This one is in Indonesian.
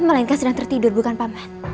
melainkan sedang tertidur bukan paman